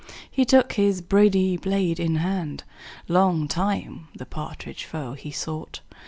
He took his brady blade in hand; Long time the partridge foe he sought.